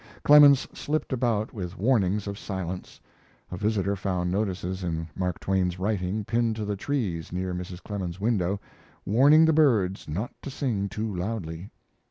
Clemens slipped about with warnings of silence. A visitor found notices in Mark Twain's writing pinned to the trees near Mrs. Clemens's window warning the birds not to sing too loudly.